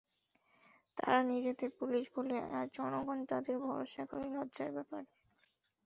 তারা নিজেদের পুলিশ বলে আর জনগণ তাদের ভরসা করে- লজ্জার ব্যাপার।